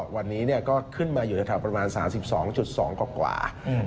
วันนี้ก็ขึ้นมาอยู่ในแถวประมาณ๓๒๒กว่า